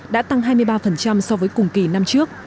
đã tăng hai mươi ba so với cùng kỳ năm trước